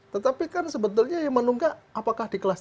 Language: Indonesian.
tetapi kan sebetulnya yang menunggak apakah di kelas tiga